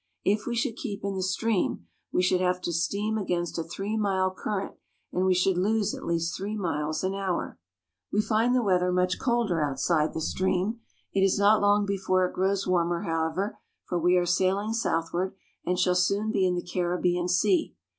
If we should keep in the stream we should have to steam against a three mile current, and we should lose at least three miles an hour. " At high noon he makes an observation." VOYAGE TO PANAMA. 1 5 We find the weather much colder outside the stream. It is not long before it grows warmer, however, for we are sailing southward and shall soon be in the Caribbean Sea.